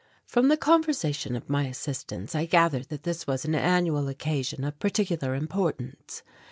From the conversation of my assistants I gathered that this was an annual occasion of particular importance.